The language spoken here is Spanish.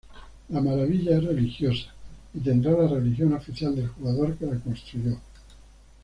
La maravilla es religiosa, y tendrá la religión oficial del jugador que la construyó.